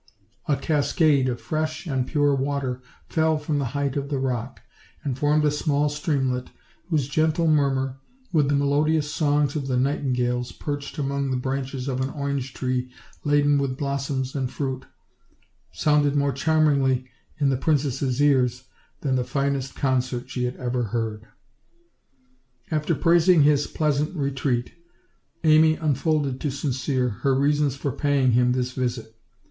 A cascade of fresh and pure water fell from the height of the rock, and formed a small streamlet, whose gentle murmur, with the melodious songs of the nightingales perched among the branches of an orange tree laden with blossoms and fruit, sounded more charmingly in the princess' ears than the finest concert she had ever heard. After praising his pleasant retreat, Amy unfolded to Sincere her reasons for paying him this visit.